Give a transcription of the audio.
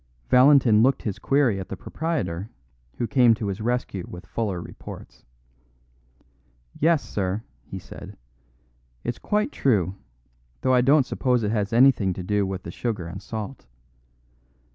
Valentin looked his query at the proprietor, who came to his rescue with fuller reports. "Yes, sir," he said, "it's quite true, though I don't suppose it has anything to do with the sugar and salt.